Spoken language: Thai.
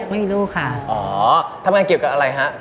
ไม่มีลูกค่ะอ๋อทำงานเกี่ยวกับอะไรฮะ